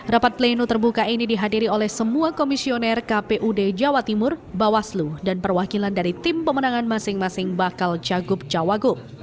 rapat pleno terbuka ini dihadiri oleh semua komisioner kpud jawa timur bawaslu dan perwakilan dari tim pemenangan masing masing bakal cagup cawagup